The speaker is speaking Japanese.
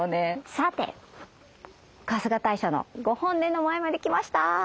さて春日大社のご本殿の前まで来ました。